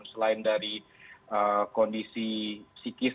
selain dari kondisi psikis